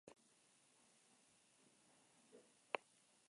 Oso dibertigarria zen, hantxe ibiltzen ginen abitua jantzita Zumaiako komentuan.